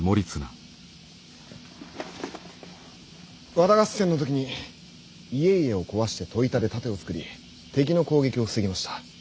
和田合戦の時に家々を壊して戸板で盾を作り敵の攻撃を防ぎました。